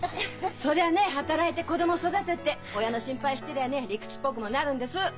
そりゃあね働いて子供育てて親の心配してりゃね理屈っぽくもなるんです！